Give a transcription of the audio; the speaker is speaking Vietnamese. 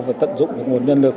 phải tận dụng một nguồn nhân lực